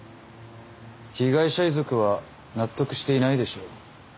被害者遺族は納得していないでしょう。